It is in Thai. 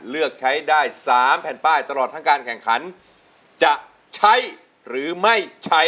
เลือกใช้ได้๓แผ่นป้ายตลอดทั้งการแข่งขันจะใช้หรือไม่ใช้